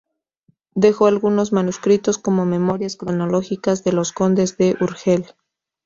Dejó algunos manuscritos, como "Memorias cronológicas de los Condes de Urgel".